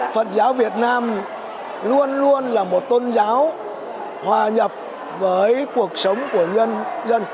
phật giáo việt nam luôn luôn là một tôn giáo hòa nhập với cuộc sống của nhân dân